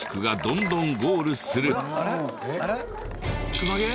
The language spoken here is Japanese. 熊毛？